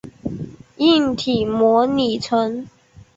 硬体模拟层。